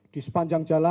di sepanjang jalan